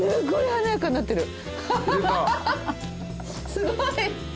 すごい。